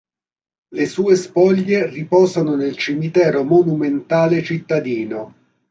Le sue spoglie riposano nel cimitero monumentale cittadino.